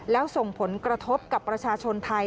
แล้วส่งผลกระทบกับประชาชนไทย